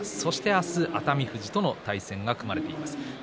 明日は熱海富士との対戦が組まれています。